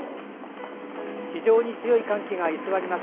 非常に強い寒気が居座ります。